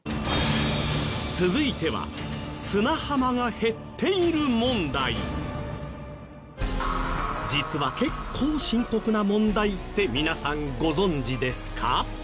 続いては実は結構深刻な問題って皆さんご存じですか？